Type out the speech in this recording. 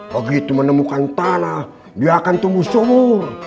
begitu menemukan tanah dia akan tumbuh sumur